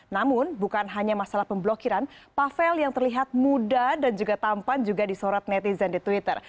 namun bukan hanya masalah pemblokiran pavel yang terlihat muda dan juga tampan juga disorot netizen di twitter